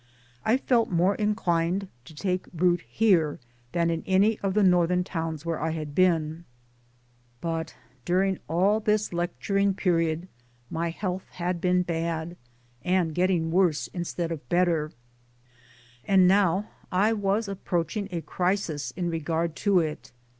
I felt more inclined to take root here than in any of the Northern towns where I had been. UNIVERSITY EXTENSION 93 But during all this lecturing; period my health had been bad, and getting; worse instead of better ; and now I was approaching a crisis in regard to it.